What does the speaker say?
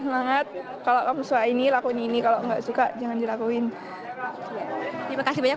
semangat kalau kamu suka ini lakuin ini kalau nggak suka jangan dilakuin terima kasih banyak